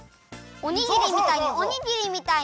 おにぎりみたいにおにぎりみたいに。